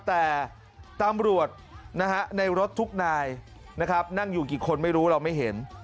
แต่ตำรวจในรถทุกนายนะครับนั่งอยู่กี่คนไม่รู้เราไม่เห็น